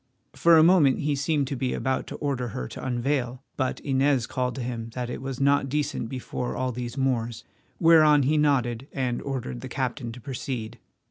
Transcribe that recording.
For a moment he seemed to be about to order her to unveil, but Inez called to him that it was not decent before all these Moors, whereon he nodded and ordered the captain to proceed.